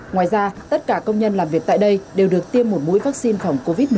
ngoài ra tất cả công nhân làm việc tại đây đều được tiêm một mũi vaccine phòng covid một mươi chín